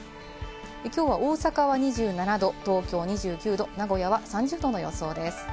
きょうは大阪は２７度、東京２９度、名古屋は３０度の予想です。